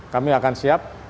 kami akan siap